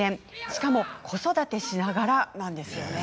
しかも子育てしながらなんですよね。